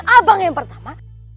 abang yang pertama